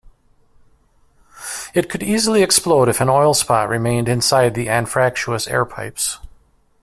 It could easily explode if an oil spot remained inside the anfractuous air pipes.